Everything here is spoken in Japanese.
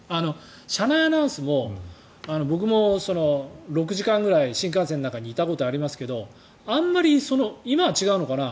車内アナウンスも僕も６時間ぐらい新幹線の中にいたことありますけど今は違うのかな。